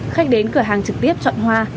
khách đến cửa hàng trực tiếp chọn hoa